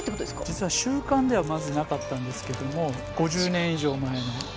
実は週刊ではまずなかったんですけども５０年以上前の。